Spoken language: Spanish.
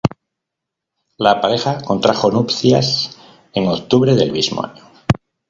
La pareja contrajo nupcias en octubre del mismo año.